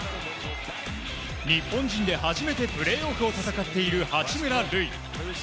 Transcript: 日本人で初めてプレーオフを戦っている八村塁。